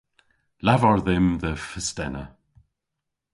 Lavar dhymm dhe fistena.